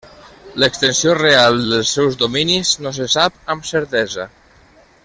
L'extensió real dels seus dominis no se sap amb certesa.